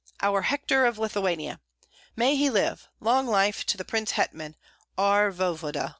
"Our Hector of Lithuania!" "May he live! Long life to the prince hetman, our voevoda."